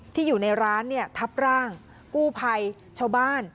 อยู่ในร้านเนี่ยทับร่างกู้ภัยชาวบ้าน